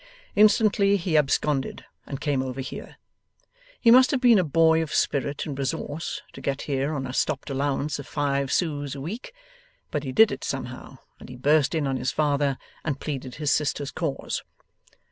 Instantly, he absconded, and came over here. He must have been a boy of spirit and resource, to get here on a stopped allowance of five sous a week; but he did it somehow, and he burst in on his father, and pleaded his sister's cause.